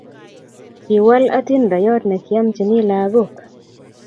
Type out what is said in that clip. Kiwal hatindiyot negiamchini lagook